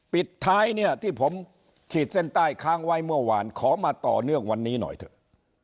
ปิดท้ายเนี่ยที่ผมขีดเส้นใต้ค้างไว้เมื่อวานขอมาต่อเนื่องวันนี้หน่อยเถอะ